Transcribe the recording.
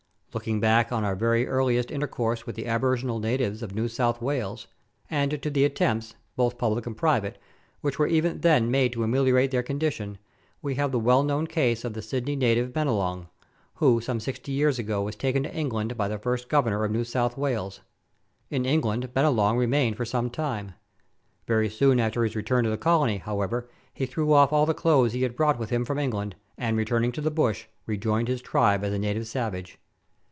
Looking back to our very earliest intercourse with the aboriginal natives of New South Wales, and to the attempts, both public and private, which were even then made to ameliorate their con dition, we have the well known case of the Sydney native Bennilong, who some sixty years ago was taken to England by the first Governor of New South Wales. In England, Bennilong remained for some time. Very soon after his return to the colony, however, he threw off all the clothes he had brought with him from England, and, returning to the bush, rejoined his tribe as a native savage.